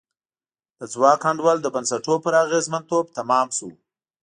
د ځواک انډول د بنسټونو پر اغېزمنتوب تمام شو.